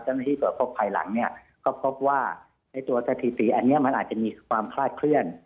ตรวจพบภายหลังเนี่ยก็พบว่าในตัวสถิติอันนี้มันอาจจะมีความคลาดเคลื่อน